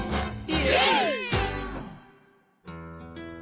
イエーイ！